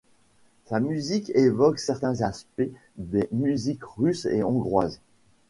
Sa musique évoque certains aspects des musiques russe et hongroise.